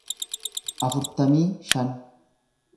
afurtamii shan